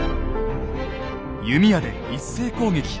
弓矢で一斉攻撃。